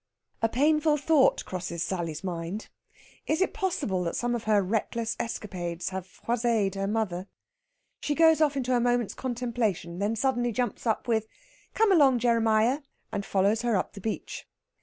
A painful thought crosses Sally's mind. Is it possible that some of her reckless escapades have froissé'd her mother? She goes off into a moment's contemplation, then suddenly jumps up with, "Come along, Jeremiah," and follows her up the beach.